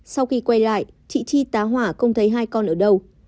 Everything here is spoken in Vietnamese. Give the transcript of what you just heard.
sau khi quay lại chị chi tá hỏa không thấy hai con ở đâu